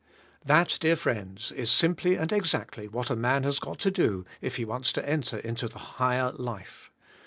That, dear friends, is simply and exactly what a man has g^ot to do if he wants to enter into the hig her life.